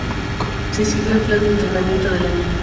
Se siguió el plan de entrenamiento del año.